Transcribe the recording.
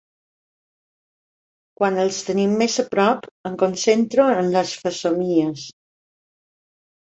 Quan els tenim més a prop em concentro en les fesomies.